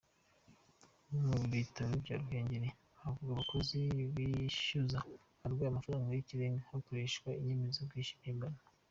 Mu bitaro bya Ruhengeli havugwaga abakozi bishyuza abarwayi amafaranga y’ikirenga, hagakoreshwa inyemezabwishyu mpimbano.